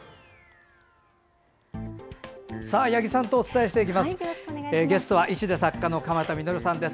八木さんとお伝えしていきます。